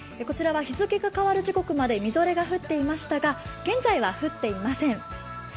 こちらは日付が変わる時刻までみぞれが降っていましたが現在は降っていません。